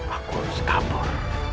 aku harus kabur